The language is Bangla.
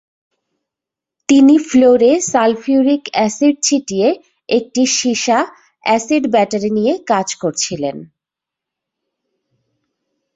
তিনি ফ্লোরে সালফিউরিক অ্যাসিড ছিটিয়ে একটি সীসা-অ্যাসিড ব্যাটারি নিয়ে কাজ করছিলেন।